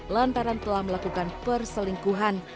lantaran telah melakukan perselingkuhan